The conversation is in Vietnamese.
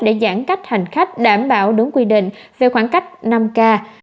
để giãn cách hành khách đảm bảo đúng quy định về khoảng cách năm k